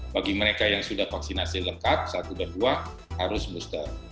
bagi mereka yang sudah vaksinasi lengkap satu dan dua harus booster